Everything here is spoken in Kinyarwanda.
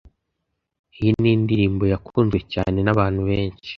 Iyi ni indirimbo yakunzwe cyane n'abantu benshi,